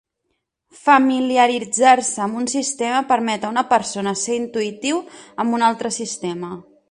Familiaritzar-se amb un sistema permet a una persona ser intuïtiu amb un altre sistema.